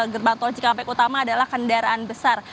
gerbang tol cikampek utama adalah kendaraan besar